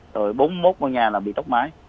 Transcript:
rồi bốn mươi một ngôi nhà là bị tốc mái